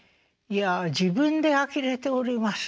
いや自分であきれております。